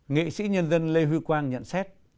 nghệ sĩ nhân dân lê huy quang nhận xét